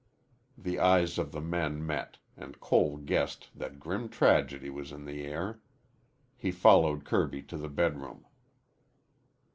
The eyes of the men met and Cole guessed that grim tragedy was in the air. He followed Kirby to the bedroom.